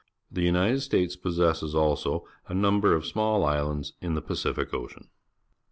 The L'nited States possesses also a number of small i.slands in the Pacific Ocean.